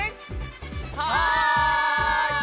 はい！